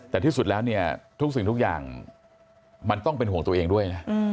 แต่ที่สุดแล้วเนี่ยทุกสิ่งทุกอย่างมันต้องเป็นห่วงตัวเองด้วยนะ